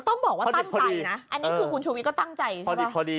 ต้องบอกว่าตั้งใจนะอันนี้คือคุณชูวิทก็ตั้งใจใช่ไหม